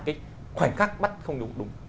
khoảnh khắc bắt không đúng